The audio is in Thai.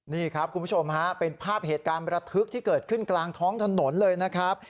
นี่ครับคุณผู้ชมฮะเป็นภาพเหตุการณ์ประทึกที่เกิดขึ้นกลางท้องถนนเลยนะครับ